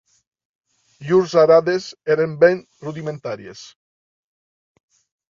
Llurs arades eren ben rudimentàries